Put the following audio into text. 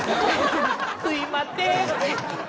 すいまてん！